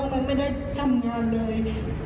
น้องไม่ได้ทำงานเลย